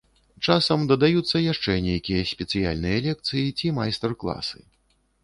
Часам дадаюцца яшчэ нейкія спецыяльныя лекцыі ці майстар-класы.